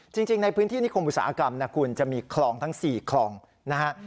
จริงในพื้นที่นิคมอุตสาหกรรมนะคุณจะมีคลองทั้ง๔คลองนะฮะ